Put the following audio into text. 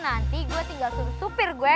nanti gue tinggal sudut supir gue